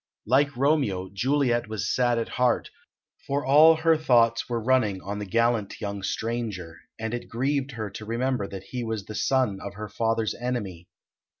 Like Romeo, Juliet was sad at heart, for all her thoughts were running on the gallant young stranger, and it grieved her to remember that he was the son of her father's enemy.